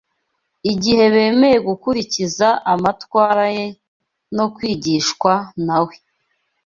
igihe bemeye gukurikiza amatwara ye no kwigishwa na we.